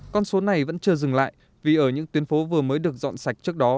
con số này vẫn chưa dừng lại vì ở những tuyến phố vừa mới được dọn sạch trước đó